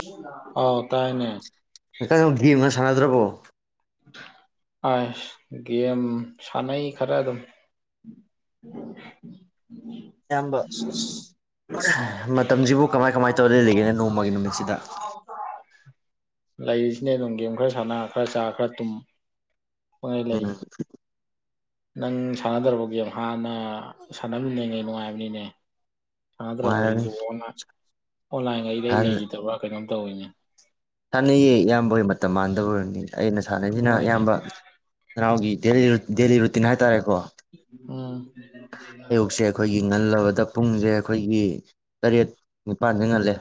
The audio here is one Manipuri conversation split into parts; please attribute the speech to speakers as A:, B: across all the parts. A: [unintelligible] ꯑꯥꯎ ꯇꯥꯏꯅꯦ
B: [unintelligible] ꯁꯥꯅꯗ꯭ꯔꯕꯣ [inaudible]
A: ꯑꯁ ꯒꯦꯝ ꯁꯥꯟꯅꯩ ꯈꯔ ꯑꯗꯨꯝ
B: ꯏꯌꯥꯝꯕ ꯏꯁ ꯁ ꯃꯇꯝꯁꯤꯕꯨ ꯀꯃꯥꯏ ꯀꯃꯥꯏ ꯇꯧ ꯂꯦꯜꯂꯤꯒꯦꯅꯦ ꯅꯣꯡꯃꯒꯤ ꯅꯨꯃꯤꯠꯁꯤꯗ
A: ꯂꯩꯔꯤꯁꯤꯅꯤ ꯑꯗꯨꯝ ꯒꯦꯝ ꯈꯔ ꯁꯥꯟꯅ ꯈꯔ ꯆꯥ ꯈꯔ ꯇꯨꯝ ꯄꯪꯂꯩ ꯂꯩ
B: ꯎꯝ
A: ꯅꯪ ꯁꯥꯟꯅꯗ꯭ꯔꯕꯣꯒꯦꯝ ꯍꯥꯟꯅ ꯁꯥꯟꯅꯃꯤꯟꯅꯩꯉꯩ ꯅꯨꯡꯉꯥꯏꯕꯅꯤꯅꯦ ꯁꯥꯟꯅꯗꯔ꯭ꯕꯣ
B: ꯅꯨꯡꯉꯥꯏꯔꯅꯤ
A: [unintelligible] ꯑꯣꯟꯂꯥꯏꯟ [unintelligible]
B: ꯍꯥꯟꯅ
A: ꯂꯩꯒꯤꯗꯕ ꯀꯩꯅꯣꯝ ꯇꯧꯋꯤꯅꯦ
B: ꯁꯥꯟꯅꯩꯌꯦ ꯏꯌꯥꯝꯕ ꯍꯣꯏ ꯃꯇꯝ ꯃꯥꯟꯗꯕꯩ ꯑꯣꯏꯔꯝꯅꯤ ꯑꯩꯅ ꯁꯥꯟꯅꯖꯤꯅ
A: ꯍꯣꯏꯅꯦ
B: ꯏꯌꯥꯝꯕ ꯅꯅꯥꯎꯒꯤ ꯗꯦꯜꯂꯤ ꯔꯨ ꯗꯦꯜꯂꯤ ꯔꯨ ꯇꯤꯟ ꯍꯥꯏꯇꯥꯔꯦ
A: ꯎꯝ
B: ꯄꯨꯡꯖꯦ ꯑꯈꯣꯏꯒꯤ ꯇꯔꯦꯠ ꯅꯤꯄꯥꯥꯟꯗ ꯉꯜꯂꯦ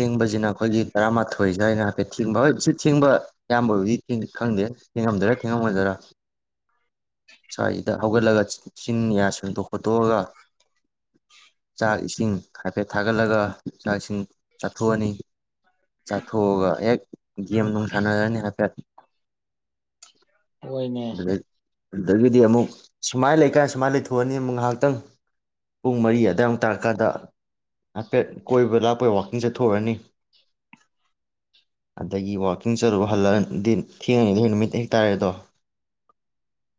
B: ꯊꯦꯡꯕꯁꯤꯅ ꯑꯩꯈꯣꯏꯒꯤ ꯇꯔꯥꯃꯥꯊꯣꯏ ꯁꯥꯏꯗ ꯍꯥꯏꯐꯦꯠ ꯊꯤꯡꯕ ꯍꯣꯏ ꯁꯤ ꯊꯤꯡꯕ ꯑꯌꯥꯝꯕꯕꯨꯗꯤ ꯈꯪꯗꯦ ꯊꯦꯡꯉꯝꯗꯣꯏ꯭ꯔꯥ ꯊꯦꯡꯉꯝꯃꯣꯏꯗꯣꯏꯔꯥ ꯁꯋꯥꯏꯗ ꯍꯧꯒꯠꯂꯒ ꯆꯤꯟ ꯌꯥ ꯁꯦꯡꯗꯣꯛ ꯈꯣꯠꯇꯣꯛ ꯑꯒ ꯆꯥꯛ ꯏꯁꯤꯡ ꯍꯥꯏꯐꯦꯠ ꯊꯥꯒꯠꯂꯒ ꯆꯥꯛ ꯏꯁꯤꯡ ꯆꯥꯊꯣꯛ ꯑꯅꯤ ꯆꯥꯊꯣꯛꯑꯒ ꯍꯦꯛ ꯒꯦꯝ ꯅꯨꯡ ꯁꯥꯟꯅꯔꯅꯤ ꯍꯥꯏꯐꯦꯠ
A: ꯍꯣꯏꯅꯦ
B: ꯑꯗꯨꯗꯩ ꯑꯗꯨꯗꯒꯤꯗꯤ ꯑꯃꯨꯛ ꯁꯨꯃꯥꯏꯅ ꯂꯩꯀꯥꯏ ꯁꯨꯃꯥꯏꯅ ꯂꯩꯊꯣꯛꯑꯅꯤ ꯑꯃꯨꯛ ꯉꯥꯏꯍꯥꯛꯇꯪ ꯄꯨꯡ ꯃꯔꯤ ꯑꯗꯋꯥꯏ ꯑꯃꯨꯛ ꯇꯥꯔꯀꯥꯟꯗ ꯍꯥꯏꯐꯦꯠ ꯀꯣꯏꯕ ꯂꯥꯛꯄꯣꯏ ꯋꯥ ꯀꯤꯡ ꯆꯠꯊꯣꯛꯑꯅꯤ ꯑꯗꯒꯤ ꯋꯥꯜꯀꯤꯡ ꯆꯠꯂꯨꯕ ꯍꯜꯂꯑꯗꯤ ꯊꯦꯡꯉꯤꯉꯩꯗꯩ ꯅꯨꯃꯤꯠ ꯍꯦꯛ ꯇꯥꯔꯦ ꯑꯗꯣ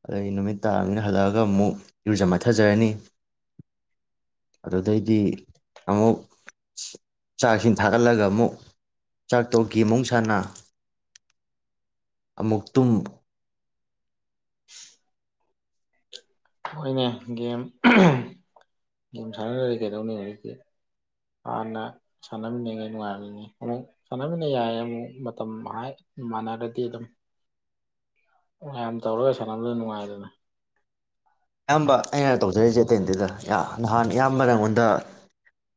B: ꯑꯗꯨꯗꯒꯤ ꯅꯨꯃꯤꯠ ꯇꯥꯔꯕꯅꯤꯅ ꯍꯜꯂꯛꯑꯒ ꯑꯃꯨꯛ ꯏꯔꯨꯖ ꯃꯥꯏꯊꯖꯔꯅꯤ ꯑꯗꯨꯗꯩꯗꯤ ꯑꯃꯨꯛ ꯆꯥꯛꯁꯤꯡ ꯊꯥꯛꯒꯠꯂꯒ ꯑꯃꯨꯛ ꯆꯥꯛ ꯇꯣꯛ ꯒꯦꯝ ꯑꯃꯨꯛ ꯁꯥꯅ ꯑꯃꯨꯛ ꯇꯨꯝ
A: ꯍꯣꯏꯅꯦ ꯒꯦꯝ ꯒꯦꯝ ꯁꯥꯟꯅꯔꯗꯤ ꯀꯩꯗꯧꯅꯤ ꯍꯧꯖꯤꯛꯇꯤ ꯍꯥꯟꯅ ꯁꯥꯟꯅꯃꯤꯟꯅꯉꯩ ꯅꯨꯡꯉꯥꯏꯕꯅꯤ ꯑꯃꯨꯛ ꯁꯥꯟꯅꯃꯤꯟꯅ ꯌꯥꯏ ꯑꯃꯨꯛ ꯃꯇꯝ ꯍꯥꯏ ꯃꯥꯟꯅꯔꯗꯤ ꯑꯗꯨꯝ ꯃꯌꯥꯝ ꯇꯧꯔꯒ ꯁꯥꯟꯅꯕꯗ ꯅꯨꯡꯉꯥꯏꯗꯅ
B: ꯑꯌꯥꯝꯕ ꯑꯩꯅ ꯇꯧꯖꯔꯤꯁꯦ ꯑꯇꯩ ꯅꯠꯇꯦꯗ ꯅꯍꯥꯟ ꯑꯌꯥꯝꯕ ꯅꯪꯉꯣꯟꯗ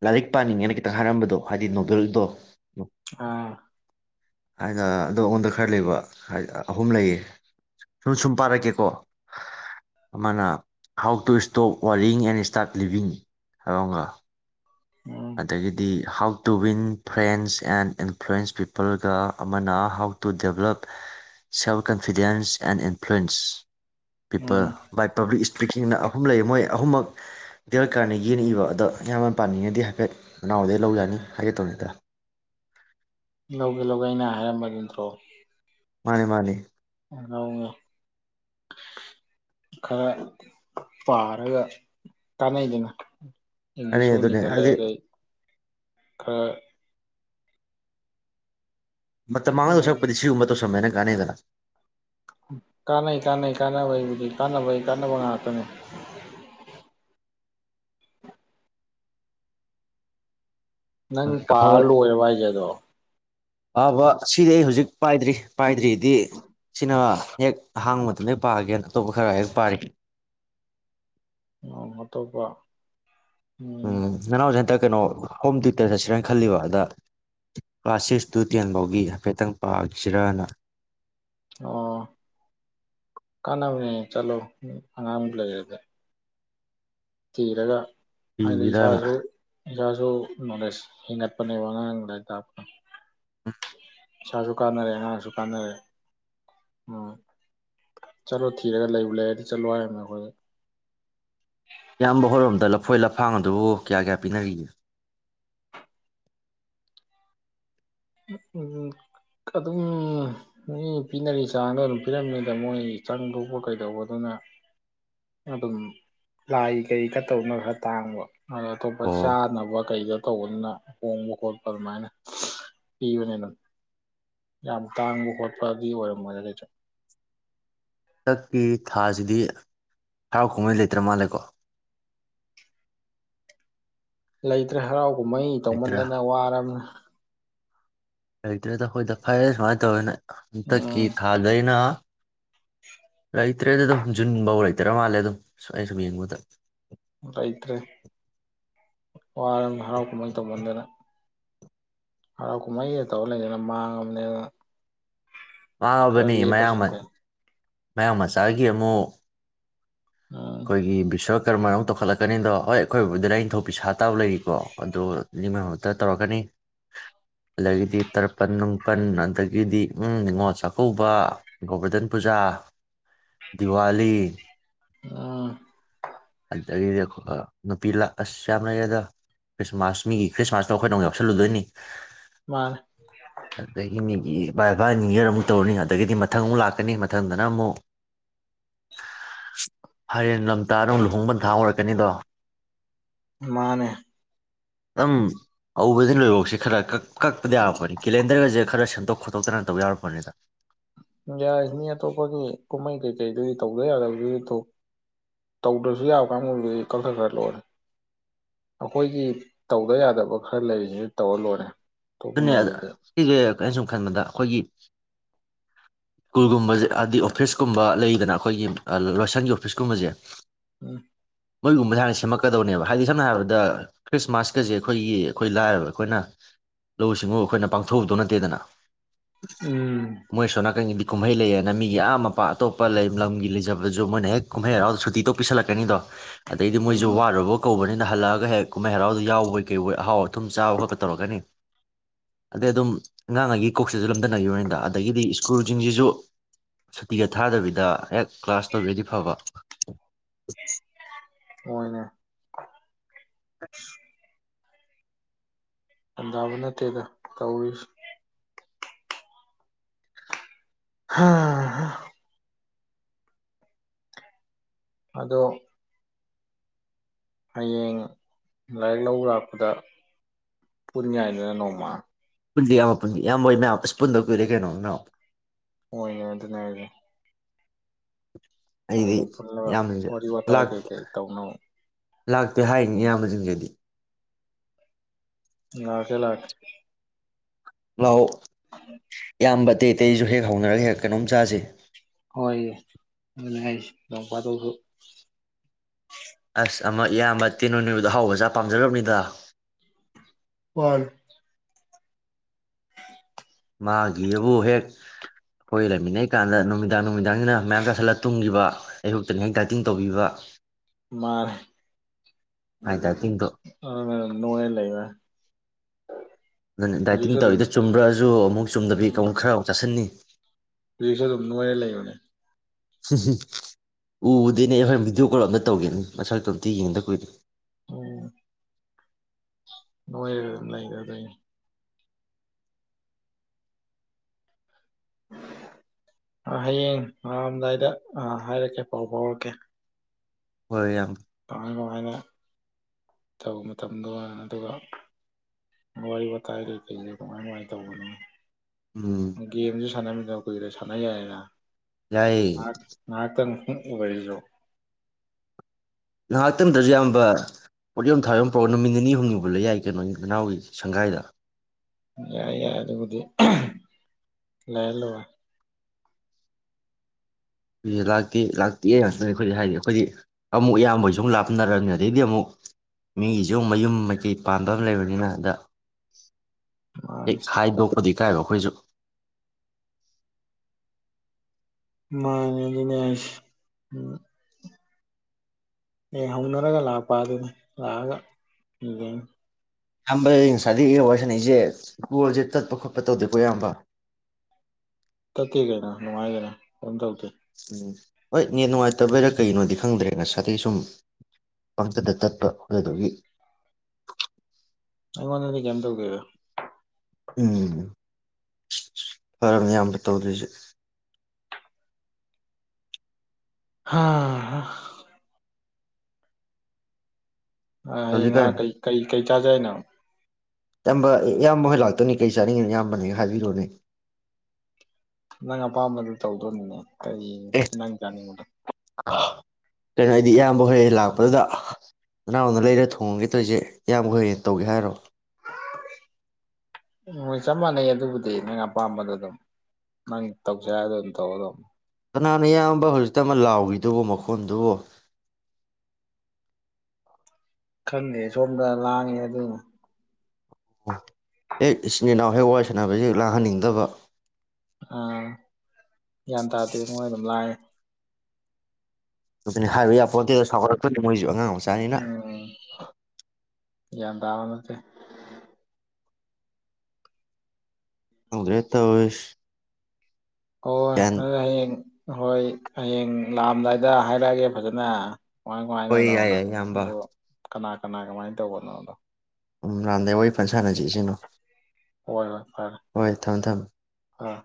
B: ꯂꯥꯏꯔꯤꯛ ꯄꯥꯅꯤꯡꯉꯦꯅ ꯈꯤꯇꯪ ꯍꯥꯏꯔꯝꯕꯗꯣ ꯍꯥꯏꯗꯤ ꯅꯣꯕꯦꯜꯗꯣ
A: ꯑꯥ
B: ꯍꯥꯏꯅ ꯑꯗꯣ ꯑꯩꯉꯣꯟꯗ ꯈꯔ ꯂꯩꯕ ꯑꯍꯨꯝ ꯂꯩꯌꯦ ꯁꯨꯝ ꯁꯨꯝ ꯄꯥꯔꯛꯀꯦꯀꯣ ꯑꯃꯅ how to stop worrying and start ꯂꯤꯕꯤꯡ ꯍꯥꯏꯕ ꯑꯃꯒ
A: ꯎꯝ
B: ꯑꯗꯒꯤꯗꯤ how to win friends and influence ꯄꯤꯄꯜꯒ ꯑꯃꯅ how to develop self confidence and influence people
A: um
B: by public ꯄꯤꯀꯤꯡꯅ ꯑꯍꯨꯝ ꯂꯩ ꯃꯣꯏ ꯑꯍꯨꯝꯃꯛ ꯗꯦꯜꯀꯥꯔꯅꯤꯒꯤꯅ ꯏꯕ ꯑꯗꯣ ꯏꯌꯥꯝꯕꯅ ꯄꯥꯅꯤꯡꯉꯗꯤ ꯍꯥꯏ ꯍꯥꯏꯐꯦꯠ ꯅꯅꯥꯎꯗꯩ ꯂꯧ ꯌꯥꯅꯤ ꯍꯥꯏꯒꯦ ꯇꯧꯅꯤꯗ
A: ꯂꯧꯒꯦ ꯂꯧꯒꯦ ꯑꯩꯅ ꯍꯥꯏꯔꯝꯕꯗꯨ ꯅꯠꯇ꯭ꯔꯣ
B: ꯃꯥꯅꯤ ꯃꯥꯅꯤ
A: ꯂꯧꯒꯦꯅꯦ ꯈꯔ ꯄꯥꯔꯒ ꯀꯥꯟꯅꯩꯗꯅ
B: ꯑꯅꯦ
A: ꯏꯪꯂꯤꯁ ꯍꯣꯜ
B: ꯑꯗꯨꯅꯦ
A: ꯂꯤꯡꯈꯠꯂꯦ
B: ꯍꯥꯏꯗꯤ
A: ꯑꯗꯩ ꯈꯔ
B: ꯃꯇꯝ ꯃꯥꯡꯍꯟꯗꯣꯏ
A: ꯃꯣꯏ
B: ꯁꯔꯨꯛꯄꯨꯗꯤ ꯁꯤꯒꯨꯝꯕ ꯇꯧꯁꯟꯕꯅ ꯒꯥꯅꯦꯗꯅ
A: ꯀꯥꯟꯅꯩ ꯀꯥꯅꯩ ꯀꯥꯅꯕꯩꯕꯨꯗꯤ ꯀꯥꯟꯅꯕꯒꯤ ꯀꯥꯅꯕ ꯉꯥꯛꯇꯅꯤ ꯅꯪ ꯄꯥ ꯂꯣꯏꯔꯕ ꯍꯥꯏꯖꯦ ꯑꯗꯣ
B: ꯄꯥꯕ ꯁꯤꯗꯤ ꯑꯩ ꯍꯧꯖꯤꯛ ꯄꯥꯏꯗ꯭ꯔꯤ ꯄꯥꯏꯗ꯭ꯔꯤ [unintelligible] ꯁꯤꯅ ꯍꯦꯛ ꯑꯍꯥꯡꯕ ꯃꯇꯝꯗ ꯄꯥꯒꯦꯅ ꯑꯇꯣꯞꯄ ꯈꯔ ꯍꯦꯛ ꯄꯥꯔꯤ
A: ꯑ ꯑꯇꯣꯞꯄ
B: ꯎꯝ ꯅꯅꯥꯑꯣꯁꯤ ꯍꯟꯇꯥꯛ ꯀꯩꯅꯣ ꯍꯣꯝ ꯇ꯭ꯌꯨꯇꯔ ꯆꯠꯁꯤꯔꯅ ꯈꯜꯂꯤꯕꯥ ꯑꯗ ꯀ꯭ꯂꯥꯁ ꯁꯤꯛꯁ ꯇꯨ ꯇꯦꯟ ꯐꯥꯎꯒꯤ ꯍꯥꯏꯐꯦꯠꯇꯪ ꯄꯥꯁꯤꯔꯅ
A: ꯑꯣ ꯀꯅꯕꯨꯅꯤ ꯆꯂꯣ ꯑꯉꯥꯪ ꯂꯩꯔꯗꯤ ꯊꯤꯔꯒ ꯍꯥꯏꯗꯤ
B: ꯄꯤꯒꯤꯔꯅ
A: ꯏꯁꯁꯨ ꯏꯁꯥꯁꯨ ꯅꯣꯂꯦꯁ ꯍꯦꯟꯒꯠꯄꯅꯦꯕ ꯑꯉꯥꯪ ꯂꯥꯏꯔꯤꯛ ꯇꯥꯛꯄꯗ‌ꯣ
B: ꯑ
A: ꯏꯁꯥꯁꯨ ꯀꯥꯟꯅꯔꯦ ꯑꯉꯥꯡꯁꯨ ꯀꯥꯟꯅꯔꯦ ꯎꯝ ꯆꯠꯂꯣ ꯊꯤꯔꯒ ꯂꯩꯕ ꯂꯩꯔꯗꯤ ꯆꯠꯂꯣ ꯍꯥꯏꯔꯝꯅꯦ ꯑꯩꯈꯣꯏꯗꯤ
B: ꯏꯌꯥꯝꯕ ꯍꯣꯌꯔꯣꯝꯗ ꯂꯐꯣꯏ ꯂꯞ ꯐꯥꯡꯗꯨꯕꯨ ꯀꯌꯥ ꯀꯌꯥ ꯄꯤꯅꯔꯤꯒꯦ
A: ꯈꯥꯑꯗꯨꯝ ꯃꯤ ꯄꯤꯅꯔꯤ ꯆꯥꯡꯗꯣ ꯑꯗꯨꯝ ꯄꯤꯔꯝꯃꯤꯗ ꯃꯣꯏ ꯆꯪꯗꯣꯛꯄ ꯀꯩꯗꯧꯕꯗꯨꯅ ꯑꯗꯨꯝ ꯂꯥꯏ ꯀꯩ ꯀꯠꯇꯧꯅ ꯈꯔ ꯑꯗꯨꯝ ꯇꯥꯡꯕ ꯑꯗꯣ ꯑꯇꯣꯞꯄ
B: ꯑꯣ
A: ꯆꯥꯅꯕ ꯀꯩ ꯇꯧꯕꯅꯤꯅ ꯍꯣꯡꯕ ꯈꯣꯠꯄ ꯑꯗꯨꯃꯥꯏꯅ ꯄꯤꯕꯅꯤꯅ ꯌꯥꯝ ꯇꯥꯡꯕ ꯈꯣꯠꯄꯗꯤ ꯑꯣꯏꯔꯝꯃꯣꯏꯗ ꯀꯩꯁꯨ
B: ꯍꯟꯗꯛꯀꯤ ꯊꯥꯁꯤꯗꯤ ꯍꯔꯥꯎ ꯀꯨꯝꯍꯩ ꯂꯩꯇ꯭ꯔ ꯃꯥꯜꯂꯦꯀꯣ
A: ꯂꯩꯇ꯭ꯔꯦ ꯍꯔꯥꯎ ꯀꯨꯝꯍꯩ
B: ꯂꯩꯇ꯭ꯔꯥ
A: ꯇꯧꯃꯟꯗꯅ ꯋꯥꯔꯕꯅꯤ
B: ꯂꯩꯇꯔ꯭ꯦꯗ ꯍꯣꯏꯗ ꯐꯔꯦꯗ ꯁꯨꯃꯩ ꯇꯧꯕꯁꯤꯟ
A: ꯎꯝ
B: ꯍꯟꯗꯛꯀꯤ ꯊꯥꯗꯩꯅ
A: [inaudible]
B: ꯂꯩꯇ꯭ꯔꯦꯗ ꯑꯗꯨꯝ ꯖꯨꯟꯐꯧ ꯂꯩꯇ꯭ꯔ ꯃꯥꯜꯂꯦ ꯑꯗꯨꯝ ꯑꯩ ꯁꯨꯝ ꯌꯦꯡꯕꯗ
A: ꯋꯔꯦ ꯍꯔꯥꯎ ꯀꯃꯥꯍꯩ ꯇꯧꯃꯟꯗꯅ ꯍꯔꯥꯎ ꯀꯨꯝꯍꯩ ꯇꯧ ꯂꯩꯗꯅ ꯃꯥꯡꯉꯝꯅꯦꯕ
B: ꯋꯥꯥꯡꯉꯕꯅꯤ ꯃꯌꯥꯝ ꯝꯇ ꯃꯌꯥꯪ ꯃꯆꯥꯥꯒꯤ ꯑꯃꯨ
A: ꯎꯝ
B: ꯑꯩꯈꯣꯏꯒꯤ ꯕꯤꯁꯋꯀꯔꯃꯅ ꯑꯃꯨ ꯇꯧꯈꯠꯂꯛꯀꯅꯤꯗꯣ ꯍꯣꯏ ꯑꯩꯈꯣꯏ ꯕꯕꯨꯗꯨꯅ ꯅꯤꯡꯊꯧ ꯄꯁꯥ ꯇꯥꯕ ꯂꯩꯔꯤꯀꯣ ꯑꯗꯣ ꯅꯤꯡꯕꯃꯛꯇ ꯇꯧꯔꯛꯀꯅꯤ ꯑꯗꯒꯤꯗꯤ ꯇꯔꯄꯟ ꯅꯨꯡꯄꯜ ꯑꯗꯒꯤꯗꯤ ꯎ ꯅꯤꯉꯣꯜ ꯆꯥꯛꯀꯧꯕ ꯒꯣꯕꯔꯗꯟ ꯄꯨꯖꯥ ꯗꯤꯋꯥꯂꯤ
A: ꯎꯝ
B: ꯑꯗꯨꯗꯒꯤꯗꯤ ꯅꯨꯄꯤ ꯂ ꯑꯁ ꯌꯥꯝ ꯂꯩꯔꯦ ꯑꯗ ꯈ꯭ꯔꯤꯁꯃꯥꯁ ꯃꯤꯒꯤ ꯈ꯭ꯔꯤꯁꯃꯥꯁꯇꯣ ꯑꯩꯈꯣꯏꯅ ꯑꯃꯨꯛ ꯌꯥꯎꯁꯜꯂꯨꯗꯣꯏꯅꯤ
A: ꯃꯥꯅꯦ
B: ꯑꯦꯗꯥꯒꯤ ꯃꯤ [unintelligible] [unintelligible] ꯑꯃꯨꯛ ꯇꯧꯔꯅꯤ ꯑꯗꯒꯤꯗꯤ ꯃꯠ ꯃꯊꯪ ꯑꯃꯨꯛ ꯂꯥꯛꯀꯅꯤ ꯃꯊꯪꯗꯅ ꯑꯃꯨꯛ ꯍꯔꯦꯟ ꯂꯝ ꯄꯟꯊꯥ ꯑꯃꯨꯛ ꯑꯣꯏꯔꯛꯀꯅꯤꯗꯣ
A: ꯃꯥꯅꯦ
B: ꯑꯗꯨꯝ ꯑꯧꯕꯗꯩꯩ ꯂꯣꯏꯕꯣꯛꯁꯤ ꯈꯔ ꯀꯛꯄꯗ ꯌꯥꯔꯛꯄꯅꯤ ꯀꯦꯂꯦꯟꯗꯔꯒꯁꯦ ꯈꯔ ꯁꯦꯝꯗꯣꯛ ꯈꯣꯠꯇꯣꯛꯇꯅ ꯇꯧꯕ ꯌꯥꯎꯔꯛꯄꯅꯤꯗ
A: ꯌꯥꯏ ꯃꯤ ꯑꯇꯣꯞꯄꯒꯤ ꯀꯨꯝꯍꯩ ꯀꯩꯀꯩꯗꯨꯗꯤ ꯇꯧꯗ ꯌꯥꯗꯕꯗꯨ ꯇꯧꯗ꯭ꯔꯁꯨ ꯌꯥꯕ ꯀꯥꯡꯕꯨꯗꯨꯗꯤ ꯀꯛꯊ ꯈꯔ ꯂꯣꯏꯅꯤ ꯑꯩꯈꯣꯏꯒꯤ ꯇꯧꯗ ꯌꯥꯗꯕ ꯈꯔ ꯂꯩꯔꯤꯁꯤꯁꯨ ꯇꯧꯔ ꯂꯣꯏꯅꯤ
B: ꯑꯗꯨꯅꯤ ꯁꯤꯁꯦ ꯀꯩꯅ ꯁꯨꯝ ꯈꯟꯕꯗ ꯑꯩꯈꯣꯏꯒꯤ ꯁ꯭ꯀꯨꯜꯒꯨꯝꯕꯁꯦ ꯍꯥꯏꯗꯤ ꯑꯣꯐꯤꯁꯀꯨꯝꯕ ꯂꯩꯗꯅ ꯑꯩꯈꯣꯏꯒꯤ ꯂꯣꯏꯁꯪꯒꯤ ꯑꯣꯐꯤꯁ ꯀꯨꯝꯕꯁꯦ
A: ꯎꯝ
B: ꯃꯣꯏꯒꯨꯝꯕꯁꯦ ꯍꯥꯟꯅ ꯁꯦꯝꯃꯛꯀꯗꯧꯅꯦꯕ ꯍꯥꯏꯗꯤ ꯁꯝꯅ ꯍꯥꯏꯔꯕꯗ ꯈ꯭ꯔꯤꯁꯃꯥꯁꯀꯁꯦ ꯑꯩꯈꯣꯏꯒꯤ ꯑꯩꯈꯣꯏ ꯂꯥꯏꯔꯕ ꯑꯩꯈꯣꯏꯅ ꯂꯧꯎ ꯁꯤꯡꯎ ꯑꯩꯈꯣꯏꯅ ꯄꯥꯡꯊꯣꯛꯎꯗꯧ ꯅꯠꯇꯦꯗꯅ
A: ꯎꯝ
B: ꯃꯣꯏ ꯁꯣꯝꯅꯀꯟꯒꯤ ꯀꯨꯝꯍꯩ ꯂꯩꯌꯦꯅ ꯃꯤꯒꯤ ꯑꯥ ꯃꯄꯥ ꯑꯇꯣꯞꯄ ꯂꯝꯒꯤ ꯂꯩꯖꯕꯗꯁꯨ ꯃꯣꯏꯅ ꯍꯦꯛ ꯀꯨꯝꯍꯩ ꯍꯔꯥꯎꯗ ꯁꯨꯇꯤ ꯇꯣꯛ ꯄꯤꯁꯜꯂꯛꯀꯅꯤꯗꯣ ꯑꯗꯩꯗꯤ ꯃꯣꯏꯁꯨ
A: ꯎꯝ
B: ꯋꯥꯔꯨꯕ ꯀꯧꯕꯅꯤ ꯍꯜꯂꯛꯑꯒ ꯍꯦꯛ ꯀꯨꯝꯍꯩ ꯍꯔꯥꯎꯗ ꯌꯥꯎꯕꯩ ꯀꯩꯕꯣꯏ ꯑꯍꯥꯎ ꯊꯨꯝ ꯆꯥꯕ ꯈꯣꯠꯄ ꯇꯧꯔꯛꯀꯅꯤ ꯑꯗꯩ ꯑꯗꯨꯝ ꯑꯉꯥꯡꯉꯩꯒꯤ ꯀꯣꯛꯁꯤꯁꯨ ꯂꯝꯗꯝꯅꯒꯤꯕꯅꯤꯗ ꯑꯗꯒꯤꯗꯤ ꯁ꯭ꯀꯨꯜꯁꯤꯡꯁꯤꯁꯨ ꯁꯨꯇꯤꯒ ꯊꯥꯗꯕꯤꯗ ꯍꯦꯛ ꯀ꯭ꯂꯥꯁ ꯇꯧꯕꯤꯔꯗꯤ ꯐꯕ [unintelligible]
A: ꯍꯣꯏꯅꯦ ꯒꯌ꯭ꯥꯟ ꯇꯥꯕ ꯅꯠꯇꯦꯗ ꯇꯧꯔꯤꯁꯤ ꯍꯥꯥ [unintelligible] ꯑꯗꯣ ꯍꯌꯦꯡ ꯂꯥꯏꯔꯤꯛ ꯂꯧ ꯂꯥꯛꯄꯗ ꯄꯨꯟꯌꯥꯥꯏꯗꯅ ꯅꯣꯡꯃ
B: ꯄꯨꯜꯖꯤ ꯏꯌꯥꯝꯕ ꯄꯨꯜꯂꯤ ꯏꯌꯥꯝꯍꯣꯏ ꯃꯌꯥꯝ ꯄꯨꯟꯗꯕ ꯀꯨꯏꯔꯦ ꯀꯩꯅꯣ
A: ꯍꯣꯏꯅꯦ ꯑꯗꯨꯅꯦ ꯍꯥꯏꯖꯤ
B: ꯑꯩꯗꯤ
A: ꯅꯣꯡꯃ ꯄꯨꯜꯂꯒ
B: ꯏꯌꯥꯝꯕꯁꯦ
A: ꯋꯥꯔꯤ ꯋꯥꯇꯥꯏ ꯀꯩꯀꯩ ꯇꯧꯅꯕ
B: ꯂꯥꯛꯇꯦ ꯍꯥꯏꯅꯤ ꯏꯌꯥꯝꯕꯁꯤꯡꯁꯤꯗꯤ
A: ꯂꯥꯛꯀꯦ ꯂꯥꯛꯀꯦ
B: ꯂꯥꯛꯑꯣ
A: [unintelligible]
B: ꯏꯌꯥꯝꯕ ꯑꯇꯩ ꯑꯇꯩꯁꯨ ꯍꯦꯛ ꯍꯧꯅꯔꯒ ꯍꯦꯛ ꯀꯩꯅꯣꯝ ꯆꯥꯁꯦ
A: ꯍꯣꯏ ꯑꯗꯨꯅꯤ ꯍꯥꯏꯁꯤ ꯅꯣꯡꯐꯥꯗꯣꯛꯁꯨ
B: ꯑꯁ ꯑꯃ ꯏꯌꯥꯝꯕ ꯇꯦꯅꯣꯏ ꯅꯣꯏꯕꯗꯣ ꯑꯍꯥꯎꯕ ꯆꯥꯕ ꯄꯥꯝꯖ ꯈꯔꯕꯅꯤꯗ
A: ꯃꯥꯅꯤ [unintelligible]
B: ꯃꯥꯒꯤꯑꯕꯨ ꯍꯦꯛ ꯑꯩꯈ‌ꯣꯏ ꯂꯩꯃꯤꯟꯅꯩ ꯀꯥꯟꯗ ꯅꯨꯃꯤꯗꯥꯡ ꯅꯨꯃꯤꯗꯥꯡ [unintelligible] ꯅꯨꯃꯤꯗꯥꯡꯁꯤꯅꯥ ꯃꯌꯥꯝ ꯆꯥꯁꯤꯜꯂꯒ ꯇꯨꯡꯈꯤꯕ ꯑꯌꯨꯛꯇꯅ ꯍꯦꯛ ꯗꯥꯥꯏꯇꯤꯡ ꯇꯧꯕꯤꯕ
A: ꯃꯥ
B: ꯃꯥꯏ ꯗꯥꯏꯇꯤꯡꯗꯣ
A: ꯑꯗꯨꯅꯥꯅꯤ ꯅꯣꯏꯔꯒ ꯂꯩꯔꯥ
B: ꯗꯥꯏꯇꯤꯡ ꯇꯧꯔꯤꯗꯨ ꯆꯨꯝꯕꯔꯥꯁꯨ ꯑꯃꯨꯛ ꯆꯨꯝꯗꯕꯤ
A: ꯎꯝ
B: ꯈꯔ ꯑꯃꯨꯛ ꯆꯁꯤꯟꯅꯤ
A: ꯍꯧꯖꯤꯛꯁꯨ ꯑꯗꯨꯝ ꯅꯣꯏꯔꯥ ꯂꯩꯕꯅꯦ
B: ꯁꯤ ꯁꯤ ꯎꯕꯨ ꯎꯗꯦꯅꯦ ꯍꯣꯔꯦꯟ ꯚꯤꯗꯤꯑꯣ ꯀꯣꯜ ꯑꯝꯇ ꯇꯧꯒꯦꯅꯤ ꯃꯁꯛꯇꯣ ꯑꯝꯇ ꯌꯦꯡꯗ ꯀꯨꯏꯔꯦ
A: ꯎꯝ [unintelligible] [unintelligible] ꯍꯌꯦꯡ ꯂꯥꯛꯑꯝꯗꯥꯏꯗ ꯍꯥꯏꯔꯛꯀꯦ ꯄꯥꯎ ꯐꯥꯎꯔꯛꯀꯦ
B: ꯍꯣꯏ ꯏꯌꯥꯝ
A: ꯀꯃꯥꯏ ꯀꯃꯥꯏꯅ ꯇꯧꯕ ꯃꯇꯝꯗꯣ ꯑꯗꯨꯒ ꯋꯥꯔꯤ ꯋꯥꯇꯥꯏ ꯀꯩꯀꯩꯗ ꯀꯃꯥꯏ ꯀꯃꯥꯏꯅ ꯇꯧꯕꯅꯣ
B: ꯎꯝ
A: ꯒꯦꯝꯁꯨ ꯁꯥꯟꯅꯝ [unintelligible] ꯁꯥꯟꯅ ꯌꯥꯥꯏꯗꯟ
B: ꯌꯥꯏꯌꯦ
A: ꯉꯇ ꯅꯪ ꯎꯒꯔꯤꯖꯣ
B: ꯉꯥꯏꯍꯥꯛꯇꯝꯗꯁꯨ ꯑꯌꯥꯝꯕ ꯄꯣꯠ ꯌꯣꯝ ꯊꯥꯎꯔꯣꯝ ꯄꯔꯛꯒ ꯅꯨꯃꯤꯠ ꯅꯤꯅꯤ ꯍꯨꯝꯅꯤ ꯄꯨꯂ ꯌꯥꯏ ꯀꯩꯅꯣꯒꯤ ꯃꯅꯥꯎꯒꯤ ꯁꯪꯒꯥꯏꯗ
A: ꯌꯥ ꯌꯥꯏ ꯑꯗꯨ ꯑ ꯂꯩꯥ ꯂꯣ
B: ꯂꯥꯛꯇꯦ ꯂꯥꯛꯇꯦ ꯉꯥꯛꯇꯅꯤ ꯑꯩꯈꯣꯏ ꯍꯥꯏꯗꯤ ꯑꯩꯈꯣꯏꯗꯤ ꯑꯃꯨꯛ ꯑꯌꯥꯝꯕꯩꯁꯨ ꯑꯃꯨ ꯂꯥꯞꯅꯔꯕꯅꯤ ꯑꯗꯩꯗꯤ ꯑꯃꯨꯛ ꯃꯤꯒꯤꯁꯨ ꯃꯌꯨꯝ ꯃꯩꯀꯩ ꯄꯥꯟꯕ ꯑꯃ ꯂꯩꯕꯅꯤꯅ ꯑꯗ ꯍꯦ
A: ꯃꯥꯅꯤ
B: ꯁꯥꯏꯗꯧ ꯈꯨꯗꯤꯡ ꯀꯥꯏꯕ ꯑꯩꯈꯣꯏꯁꯨ
A: ꯃꯥꯅꯦ ꯑꯗꯨꯅꯦ ꯍꯥꯏꯁ ꯑꯦ ꯍꯧꯅꯔꯒ ꯂꯥꯛꯄ ꯑꯗꯨꯅꯤ ꯂꯥꯛꯑꯒ ꯌꯦ ꯌꯦꯡ
B: ꯑꯌꯥꯝꯕ ꯑꯩ ꯉꯁꯥꯏꯗꯩ ꯑꯩꯒ ꯋꯥꯔꯤ ꯁꯥꯟꯅꯩꯁꯦ ꯀꯣꯜꯖꯦ ꯇꯠꯄ ꯈꯣꯠꯄ ꯇꯧꯗꯦꯀꯣ ꯏꯌꯥꯝꯕ
A: ꯇꯠꯇꯦ ꯀꯩꯅꯣ ꯅꯨꯡꯉꯥꯏ ꯀꯩꯅꯣ ꯀꯩꯝ ꯇꯧ
B: ꯎꯝ ꯍꯣꯏ ꯅꯦꯠ ꯅꯨꯡꯉꯥꯏꯇꯕꯩꯔꯥ ꯀꯩꯅꯣꯗꯤ ꯈꯪꯗ꯭ꯔꯦ ꯉꯁꯥꯏꯗꯒꯤꯩ ꯁꯨꯝ ꯄꯪꯆꯗ ꯆꯠꯄ ꯑꯗꯨ ꯑꯗꯨꯒꯤ
A: ꯑꯩꯉꯣꯟꯗꯗꯤ ꯀꯩꯝ ꯇꯧꯗꯦꯗ
B: ꯎꯝ ꯐꯔꯝꯅꯦ ꯏꯌꯥꯝꯕ ꯇꯧꯗ꯭ꯔꯤꯁꯦ
A: ꯍꯥꯥ ꯑ ꯌꯦ ꯉ
B: ꯍꯧꯖꯤꯛꯀꯥꯟ
A: ꯀꯩ ꯀꯩ ꯀꯩ ꯆꯥꯖꯤꯍꯥꯏꯅꯣ
B: ꯏꯌꯥꯝꯕ ꯏꯌꯥꯝꯕ ꯍꯣꯏ ꯂꯥꯛꯇꯣꯏꯅꯤ ꯀꯔꯤ ꯆꯥꯅꯤꯡꯉꯤꯅ ꯏꯌꯥꯝꯕꯅ ꯍꯦꯛ ꯍꯥꯏꯕꯤꯔꯣꯅꯦ
A: ꯅꯪ ꯑꯄꯥꯝꯕꯗꯨ ꯇꯧꯗꯣꯅꯤꯅꯦ ꯀꯔꯤ
B: ꯑꯦ
A: ꯅꯪ ꯆꯥꯅꯤꯡꯕ
B: ꯀꯩꯅꯣ ꯍꯥꯏꯗꯤ ꯏꯌꯥꯝꯕ ꯍꯣꯏ ꯂꯥꯛꯄꯗꯨꯗ ꯅꯅꯥꯎꯅ ꯂꯩꯔ ꯊꯣꯡꯉꯒꯦ ꯇꯣꯏꯁꯦ ꯏꯌꯥꯝꯕ ꯍꯣꯏꯌꯦꯦꯅ ꯇꯧꯒꯦ ꯍꯥꯏꯔꯣ
A: ꯃꯣꯏ ꯆꯞ ꯃꯥꯟꯅꯩ ꯑꯗꯨꯕꯨꯗꯤ ꯅꯪ ꯑꯄꯥꯝꯕꯗ ꯑꯗꯨꯝ ꯅꯪ ꯇꯧꯁꯦ ꯍꯥꯏꯗ ꯑꯗꯨꯝ ꯇꯧꯔꯗꯧ
B: ꯀꯅꯥꯅ ꯏꯌꯥꯝꯕ ꯍꯧꯖꯤꯛꯇ ꯑꯃ ꯂꯥꯎꯈꯤꯗꯨꯕ ꯃꯈꯣꯟꯗꯨꯕꯨꯣ
A: ꯈꯪꯗꯦ ꯁꯣꯝꯗ ꯂꯥꯡꯉꯦ ꯑꯗꯨꯅ
B: ꯑꯣ ꯑꯦ ꯏꯆꯤꯟ ꯏꯅꯥꯎ ꯍꯦꯛ ꯋꯥꯔꯤ ꯁꯥꯟꯅꯕꯁꯤ ꯂꯥꯡꯍꯟꯅꯤꯡꯗꯕ
A: ꯑꯥ ꯒ꯭ꯌꯥꯟ ꯇꯥꯗꯗꯤ ꯃꯣꯏ ꯑꯗꯨꯝ ꯂꯥꯛꯑ
B: ꯑꯗꯨꯅꯤ ꯍꯥꯏꯕ ꯌꯥ ꯄꯣꯠꯇꯦꯗ ꯁꯥꯎꯒꯠꯂꯛꯇꯣꯏꯅꯤ ꯃꯣꯏꯁꯨ ꯑꯉꯥꯡ ꯃꯆꯥꯅꯤꯅ
A: ꯑꯣ ꯒ꯭ꯌꯥꯟ ꯇꯥꯕꯅꯠꯇꯦ
B: ꯈꯪꯗ꯭ꯔꯦ ꯇꯧꯋꯤꯁ
A: ꯑꯣ ꯅꯪ ꯍꯌꯦꯡ ꯍꯣꯏ ꯍꯌꯦꯡ ꯂꯥꯛꯑꯝꯗꯥꯏꯗ ꯍꯥꯏꯔꯛꯑꯒꯦ ꯐꯖꯅ ꯀꯃꯥꯏ ꯀꯃꯥꯏꯅ
B: ꯍꯣꯏ ꯌꯥꯏ
A: ꯅꯣꯅ
B: ꯌꯥꯏ ꯏꯌꯥꯝꯕ
A: ꯑꯗꯨꯒ ꯀꯅꯥ ꯀꯅꯥ ꯀꯃꯥꯏꯅ ꯇꯧꯕꯅꯣꯗꯣ
B: ꯎꯝ ꯂꯗꯦ ꯑꯣꯏ [unintelligible] ꯄꯟꯁꯥꯟꯅꯁꯦ [unintelligible] ꯢꯁꯤꯡꯅꯨ
A: ꯍꯣꯏ ꯍꯣꯏ ꯐꯔꯦ
B: ꯍꯣꯏ ꯊꯝꯃꯦ ꯊꯝꯃꯦ
A: ꯑꯥ